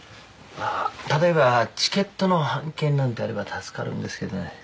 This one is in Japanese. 例えばチケットの半券なんてあれば助かるんですけどね